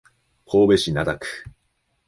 神戸市灘区